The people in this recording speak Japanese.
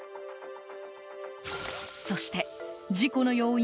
そして、事故の要因